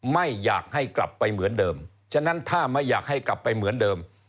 ไม่อยากให้กลับไปเหมือนเดิมฉะนั้นถ้าไม่อยากให้กลับไปเหมือนเดิม